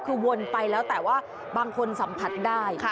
คือวนไปแล้วแต่ว่าบางคนสัมผัสได้